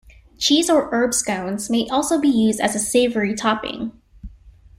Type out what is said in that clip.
Cheese or herb scones may also be used as a savoury topping.